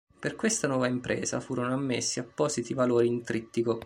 Per questa nuova impresa furono emessi appositi valori in "trittico".